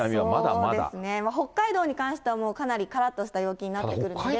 そうですね、北海道に関してはもうかなりからっとした陽気になっているので。